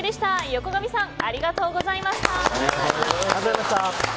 横上さんありがとうございました。